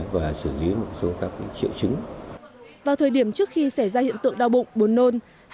vào thời điểm trước khi xảy ra hiện tượng đau bụng buồn nôn